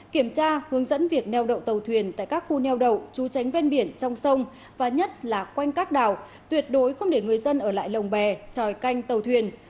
kiểm tra hướng dẫn việc neo đậu tàu thuyền tại các khu neo đậu chú tránh ven biển trong sông và nhất là quanh các đảo tuyệt đối không để người dân ở lại lồng bè tròi canh tàu thuyền